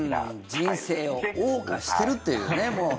人生をおう歌してるというね。